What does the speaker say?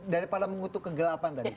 daripada mengutuk kegelapan tadi